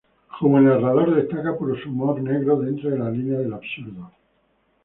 Como narrador, destaca por su humor negro, dentro de la línea del absurdo.